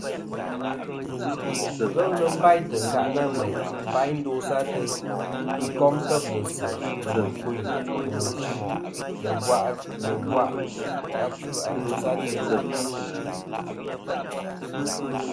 Ghelɨ nɨn bâytɨ̀ ɨnkâʼ nâ mèyn bayn ndosɨ ateyn, fî kom têblɨ̀sɨ̀, nɨ̀ mɨ̀kûyn, nɨ̀ mɨchî, nɨ̀ ɨ̀bwàʼ achfɨ a ndosɨ ateyn.